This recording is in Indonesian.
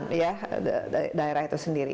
ketimpangan ya daerah itu sendiri